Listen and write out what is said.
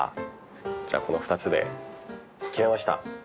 じゃこの２つで決めました！